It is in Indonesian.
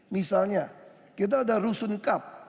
misalnya kita ada rusun kap